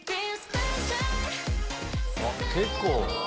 あっ結構。